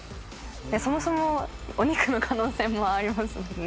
そもそもお肉の可能性もありますもんね